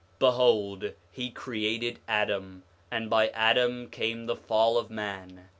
9:12 Behold he created Adam, and by Adam came the fall of man.